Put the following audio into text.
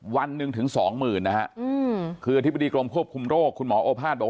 วันหนึ่งถึงสองหมื่นนะฮะคืออธิบดีกรมควบคุมโรคคุณหมอโอภาษบอก